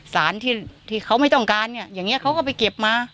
สารที่เขาไม่ต้องการเนี่ยอย่างนี้เขาก็ไปเก็บมา